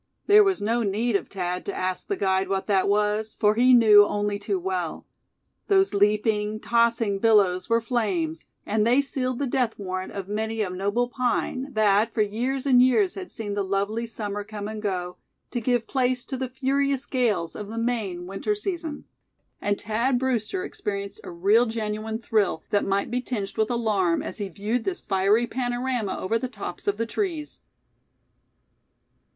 There was no need of Thad to ask the guide what that was, for he knew only too well. Those leaping, tossing billows were flames; and they sealed the death warrant of many a noble pine that for years and years had seen the lovely summer come and go, to give place to the furious gales of the Maine winter season. And Thad Brewster experienced a real genuine thrill, that might be tinged with alarm, as he viewed this fiery panorama over the tops of the trees.